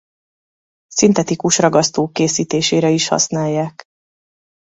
Szintetikus ragasztók készítésére is használják.